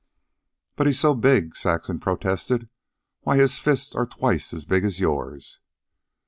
"But he is so big," Saxon protested. "Why, his fists are twice as big as yours."